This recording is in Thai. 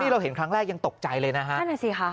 นี่เราเห็นครั้งแรกยังตกใจเลยนะฮะ